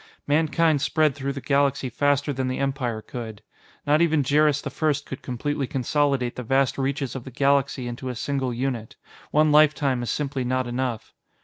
Mankind spread through the galaxy faster than the Empire could. Not even Jerris the First could completely consolidate the vast reaches of the galaxy into a single unit; one lifetime is simply not enough.